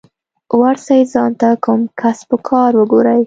ورسئ ځان ته کوم کسب کار وگورئ.